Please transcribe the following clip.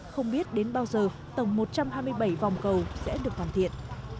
không biết đến bao giờ tổng một trăm hai mươi bảy vòng cầu sẽ được hoàn thiện